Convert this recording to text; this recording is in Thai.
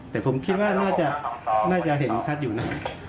แต่ผมคิดว่าน่าจะเห็นชัดอยู่นะ